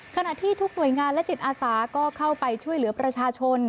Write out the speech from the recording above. ขณะที่ทุกหน่วยงานและจิตอาสาก็เข้าไปช่วยเหลือประชาชน